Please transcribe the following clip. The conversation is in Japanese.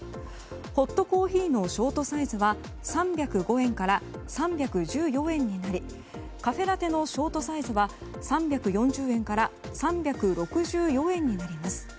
ホットコーヒーのショートサイズは３０５円から３１４円になりカフェラテのショートサイズは３４０円から３６４円になります。